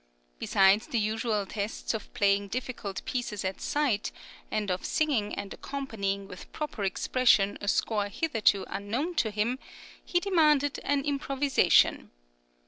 Besides the usual tests of playing difficult pieces at sight, and of singing and accompanying with proper expression a score hitherto unknown to him, he demanded an improvisation.